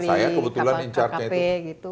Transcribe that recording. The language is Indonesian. saya kebetulan in charge nya itu